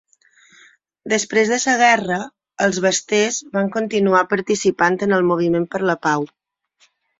Després de la guerra, els Baxters van continuar participant en el moviment per la pau.